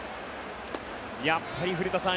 やっぱり古田さん